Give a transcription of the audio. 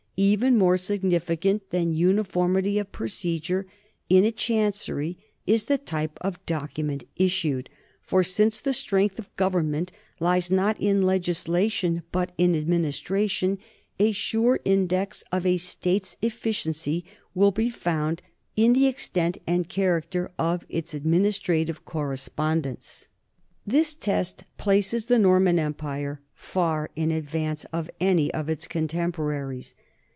Even more significant than uniformity of procedure in a chancery is the type of document issued, for since the strength of government lies not in legisla tion but in administration, a sure index of a state's efficiency will be found in the extent and character of its administrative correspondence. This test places the Norman empire far in advance of any of its contempo raries.